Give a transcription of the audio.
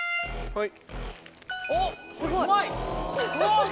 はい。